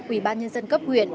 ủy ban nhân dân cấp huyện